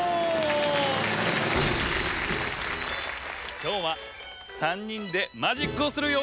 きょうは３にんでマジックをするよ！